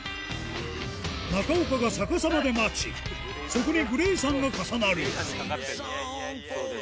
中岡が逆さまで待ち、そこにグレイさんが重なる。